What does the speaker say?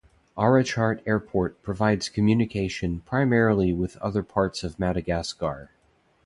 Arrachart Airport provides communication primarily with other parts of Madagascar.